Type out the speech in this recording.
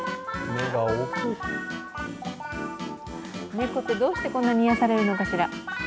猫ってどうしてこんなに癒やされるのかしら。